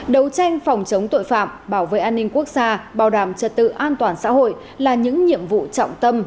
đấu tranh phòng chống tội phạm bảo vệ an ninh quốc gia bảo đảm trật tự an toàn xã hội là những nhiệm vụ trọng tâm